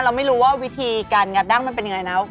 เราไม่รู้ว่าวิธีการงัดดั้งมันเป็นยังไงนะ